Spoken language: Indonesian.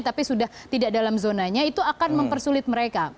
tapi sudah tidak dalam zonanya itu akan mempersulit mereka